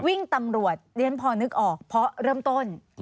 วิ่งตำรวจเดี๋ยวฉันพอนึกออกเพราะเริ่มต้น